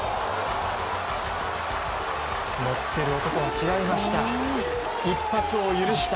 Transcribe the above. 乗ってる男は違いました。